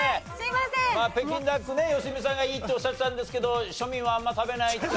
まあ北京ダックね良純さんがいいっておっしゃってたんですけど庶民はあんま食べない。